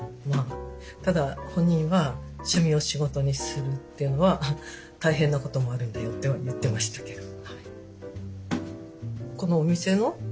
ただ本人は趣味を仕事にするというのは大変なこともあるんだよとは言ってましたけど。